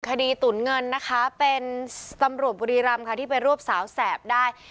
ตุ๋นเงินนะคะเป็นตำรวจบุรีรำค่ะที่ไปรวบสาวแสบได้